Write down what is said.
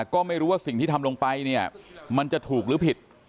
ก็ไม่รู้ว่าสิ่งที่ทำลงไปเนี่ยมันจะถูกหรือผิด